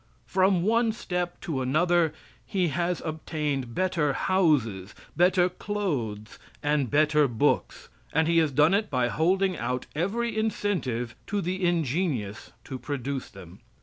From one step to another he has obtained better houses, better clothes, and better books, and he has done it by holding out every incentive to the ingenious to produce them.